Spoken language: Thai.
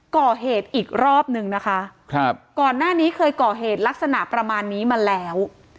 ก่อเหตุอีกรอบนึงนะคะครับก่อนหน้านี้เคยก่อเหตุลักษณะประมาณนี้มาแล้ว